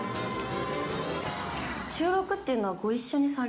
収録っていうのはご一緒にさ